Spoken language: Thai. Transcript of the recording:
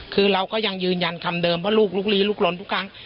คือเราก็ยังยืนยันคำเดิมว่าลูกลุกลีลุกลนทุกครั้ง